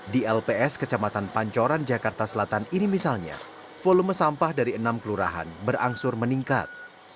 di lps kecamatan pancoran jakarta selatan ini misalnya volume sampah dari enam kelurahan berangsur meningkat